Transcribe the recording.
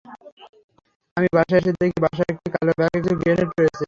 আমি বাসায় এসে দেখি, বাসায় একটি কালো ব্যাগে কিছু গ্রেনেড রয়েছে।